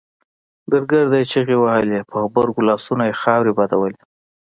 درګرده يې چيغې وهلې په غبرګو لاسونو يې خاورې بادولې.